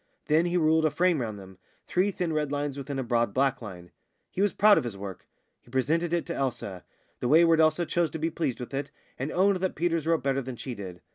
Then he ruled a frame round them three thin red lines within a broad black line. He was proud of his work. He presented it to Elsa. The wayward Elsa chose to be pleased with it, and owned that Peters wrote better than she did.